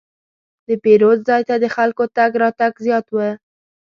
د پیرود ځای ته د خلکو تګ راتګ زیات و.